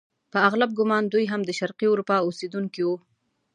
په اغلب ګومان دوی هم د شرقي اروپا اوسیدونکي وو.